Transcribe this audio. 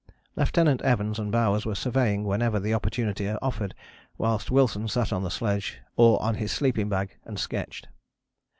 Lieutenant Evans and Bowers were surveying whenever the opportunity offered, whilst Wilson sat on the sledge or on his sleeping bag, and sketched.